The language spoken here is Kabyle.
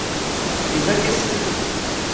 Ifakk-as-ten.